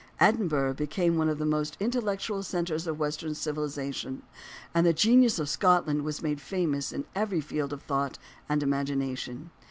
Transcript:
Edinburgh became one of the intellectual centres of western civilization, and the genius of Scotland was made famous in every field of thought and imagination.